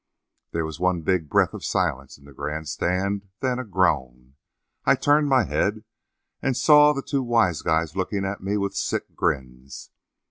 "There was one big breath of silence in the grand stand then a groan. I turned my head and saw the two wise guys looking at me with sick grins.